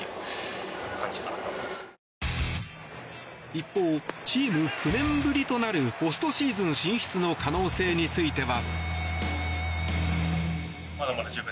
一方、チーム９年ぶりとなるポストシーズン進出の可能性については。